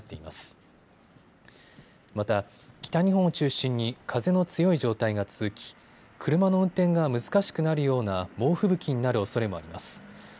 また北日本を中心に風の強い状態が続き、車の運転が難しくなるような猛吹雪になるおそれもあります。